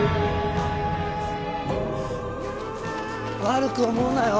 悪く思うなよ